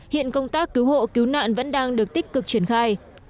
hiện công tác cứu hộ cứu nạn vẫn đang được tích cực triển khai